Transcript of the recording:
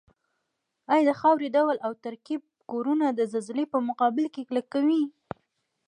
ایا د خاورې ډول او ترکیب کورنه د زلزلې په مقابل کې کلکوي؟